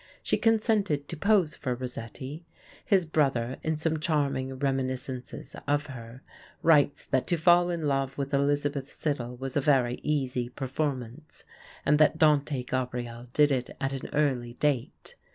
She consented to pose for Rossetti. His brother, in some charming reminiscences of her, writes that to fall in love with Elizabeth Siddal was a very easy performance, and that Dante Gabriel did it at an early date.